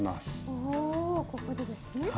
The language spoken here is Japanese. おおここでですね。